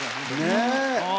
ねえ！